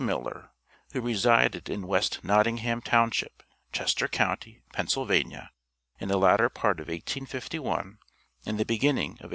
Miller, who resided in West Nottingham township, Chester county, Pennsylvania, in the latter part of 1851, and the beginning of 1852.